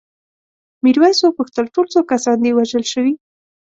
میرويس وپوښتل ټول څو کسان دي وژل شوي؟